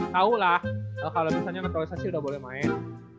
tau lah kalau misalnya ngetualisasi udah boleh main